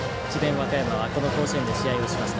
和歌山はこの甲子園で試合をしました。